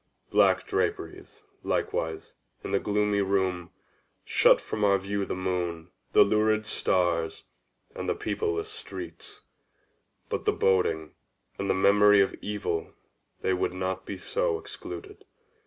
Black draperies, likewise, in the gloomy room, shut out from our view the moon, the lurid stars, and the peopleless streets—but the boding and the memory of Evil, they would not be so excluded.